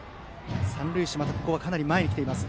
三塁手はまたかなり前に来ています。